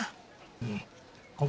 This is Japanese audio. うん？